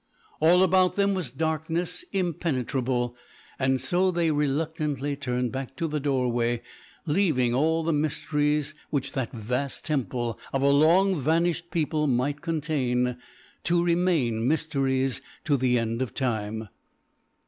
All about them was darkness impenetrable, and so they reluctantly turned back to the doorway, leaving all the mysteries which that vast temple of a long vanished people might contain to remain mysteries to the end of time.